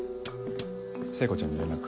聖子ちゃんに連絡。